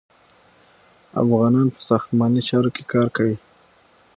افغانان په ساختماني چارو کې کار کوي.